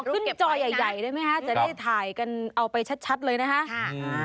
ขึ้นจอใหญ่ได้ไหมคะ